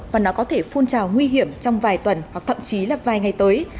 và nó có thể phun trào nguy hiểm trong vài tuần hoặc thậm chí là vài ngày tới